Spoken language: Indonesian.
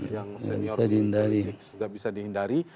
yang senior politik sudah bisa dihindari